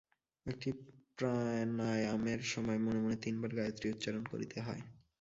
একটি প্রাণায়ামের সময় মনে মনে তিনবার গায়ত্রী উচ্চারণ করিতে হয়।